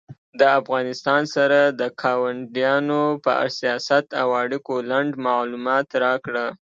د افغانستان سره د کاونډیانو په سیاست او اړیکو لنډ معلومات راکړه